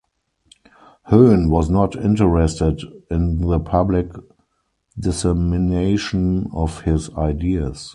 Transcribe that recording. Hoehn was not interested in the public dissemination of his ideas.